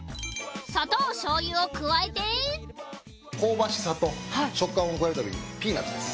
砂糖しょうゆを加えて香ばしさと食感を加えるためにピーナッツです。